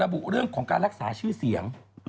บุเรื่องของการรักษาชื่อเสียง